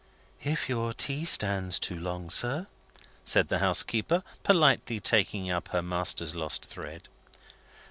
"If your tea stands too long, sir ?" said the housekeeper, politely taking up her master's lost thread.